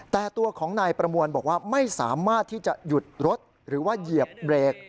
แต่ตัวของนายประมวลบอกว่าไม่สามารถที่จะหยุดรถหรือว่าเหยียบเบรก